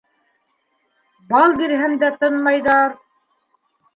Бал бирһәм дә тынмайҙыр...